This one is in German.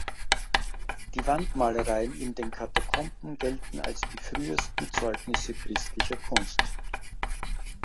Die Wandmalereien in den Katakomben gelten als die frühesten Zeugnisse christlicher Kunst.